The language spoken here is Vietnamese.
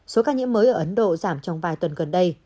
số ca nhiễm mới ở ấn độ giảm trong vài tuần gần đây